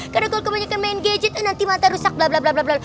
karena kalau kebanyakan main gadget nanti mata rusak blablabla